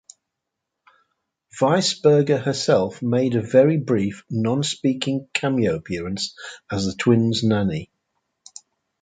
Weisberger herself made a very brief non-speaking cameo appearance as the twins' nanny.